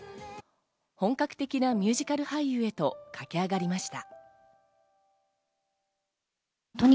本格的なミュージカル俳優へと駆け上がりました。